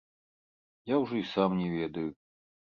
Я ўжо і сам не ведаю.